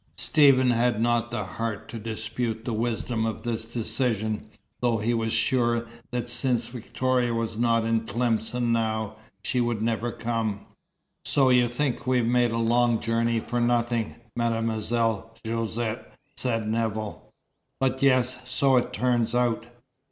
Stephen had not the heart to dispute the wisdom of this decision, though he was sure that, since Victoria was not in Tlemcen now, she would never come. "So you think we've made a long journey for nothing, Mademoiselle Josette?" said Nevill. "But yes. So it turns out."